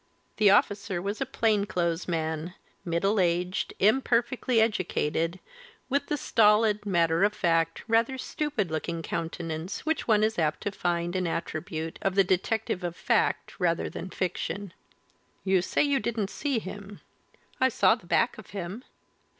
The officer was a plain clothes man, middle aged, imperfectly educated, with the stolid, matter of fact, rather stupid looking countenance which one is apt to find an attribute of the detective of fact, rather than fiction. "You say you didn't see him?" "I saw the back of him."